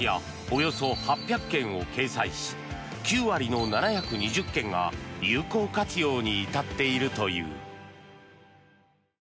およそ８００件を掲載し９割の７２０件が有効活用に至っているという。